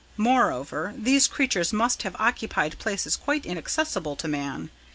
Moreover, these creatures must have occupied places quite inaccessible to man.